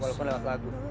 walaupun lewat lagu